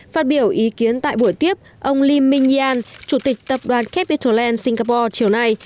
phát biểu ý kiến tại buổi tiếp ông lim nhiênan chủ tịch tập đoàn capital land singapore chiều nay